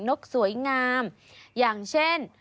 นกสวยงามอย่างเช่น